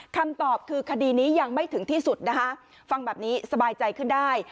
คำตอบคือคดีนี้ยังไม่ถึงที่สุดนะคะฟังแบบนี้สบายใจขึ้นได้